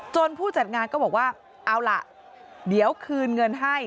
ผู้จัดงานก็บอกว่าเอาล่ะเดี๋ยวคืนเงินให้